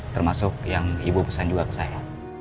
termasuk yang ibu pesan juga ke saya